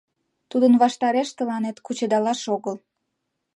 Тудын ваштареш тыланет кучедалаш огыл...